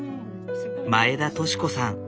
前田敏子さん。